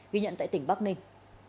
ghi nhận tại tỉnh bắc ninh